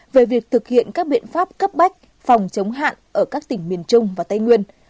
về việc thực hiện các biện pháp cấp bách phòng chống hạn ở các tỉnh miền trung và tây nguyên